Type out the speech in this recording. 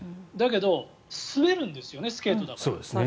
だけど、滑るんですよねスケートだから。